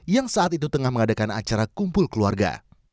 yang saat itu tengah mengadakan acara kumpul keluarga